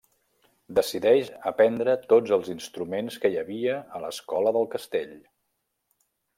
Decideix aprendre tots els instruments que hi havia a l'escola del Castell.